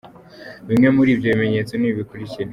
Bimwe muri ibyo bimenyetso ni ibi bikurikira:.